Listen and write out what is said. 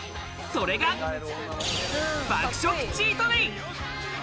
それが、爆食チートデイ。